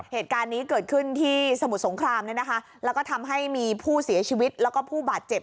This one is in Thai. เหตุการณ์นี้เกิดขึ้นที่สมุทรสงครามเนี่ยนะคะแล้วก็ทำให้มีผู้เสียชีวิตแล้วก็ผู้บาดเจ็บ